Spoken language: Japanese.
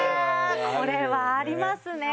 これはありますね。